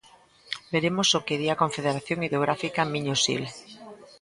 Veremos o que di a Confederación Hidrográfica Miño-Sil.